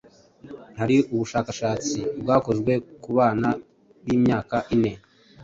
hari ubushakashatsi bwakozwe ku bana b’imyaka ine,